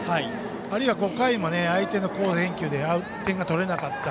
あるいは５回も相手の好返球で点が取れなかった。